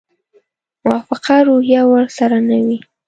موافقه روحیه ورسره نه وي.